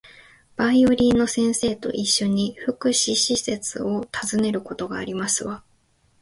バイオリンの先生と一緒に、福祉施設を訪ねることがありますわ